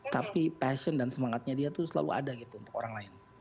tapi passion dan semangatnya dia tuh selalu ada gitu untuk orang lain